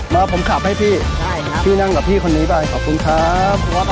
มาผมขับให้พี่นั่งกับพี่คนนี้ไปขอบคุณครับ